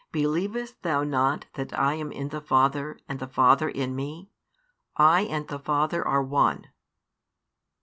Believest thou not that I am in the Father, and the Father in Me? I and the Father are one.